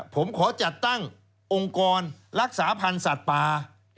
ผมขอจัดตั้งองค์กรรักษาพันธุ์สัตว์ป่า